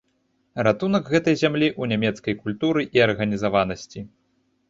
Ратунак гэтай зямлі ў нямецкай культуры і арганізаванасці.